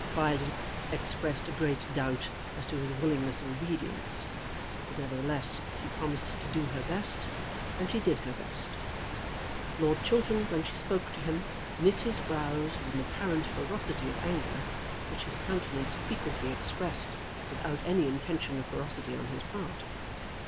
Violet expressed a great doubt as to this willingness of obedience; but, nevertheless, she promised to do her best, and she did her best. Lord Chiltern, when she spoke to him, knit his brows with an apparent ferocity of anger which his countenance frequently expressed without any intention of ferocity on his part.